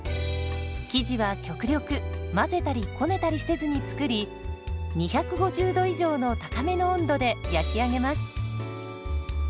生地は極力混ぜたりこねたりせずに作り２５０度以上の高めの温度で焼き上げます。